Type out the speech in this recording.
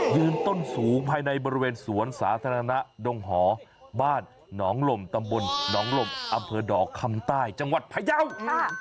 ยืนต้นสูงภายในบริเวณสวนสาธารณะดงหอบ้านหนองลมตำบลหนองลมอำเภอดอกคำใต้จังหวัดพยาวค่ะ